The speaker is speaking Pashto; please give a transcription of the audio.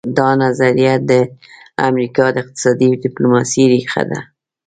دا نظریه د امریکا د اقتصادي ډیپلوماسي ریښه ده